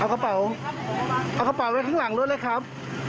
เอากระเป๋าเอากระเป๋าไว้ข้างหลังรถเลยครับ